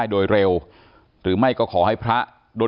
ที่มีข่าวเรื่องน้องหายตัว